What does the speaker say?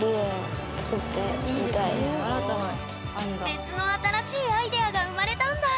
別の新しいアイデアが生まれたんだ！